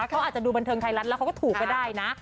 เขาอาจจะดูบันเทิงไทยรัฐแล้วเขาก็ถูกก็ได้นะ